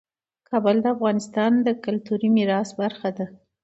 کابل د افغانستان د کلتوري میراث برخه ده.